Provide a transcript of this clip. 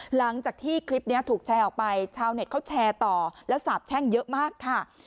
หลังจากที่คลิปนี้ถูกแชร์ออกไปชาวเน็ตเขาแชร์ต่อแล้วสาบแช่งเยอะมากค่ะ